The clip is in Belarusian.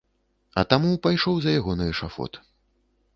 А таму пайшоў за яго на эшафот.